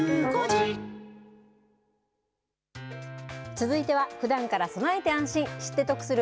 続いては、ふだんから備えて安心、知って得する！